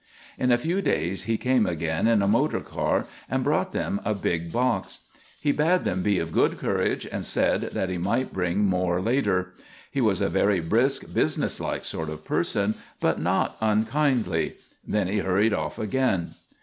In a few days he came again in a motor car and brought them a big box. He bade them be of good courage and said that he might bring more later. He was a very brisk, businesslike sort of person, but not unkindly. Then he hurried off again.